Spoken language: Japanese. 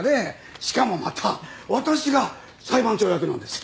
しかもまた私が裁判長役なんですよ。